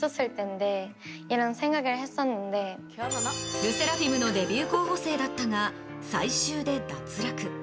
ＬＥＳＳＥＲＡＦＩＭのデビュー候補生だったが最終で脱落。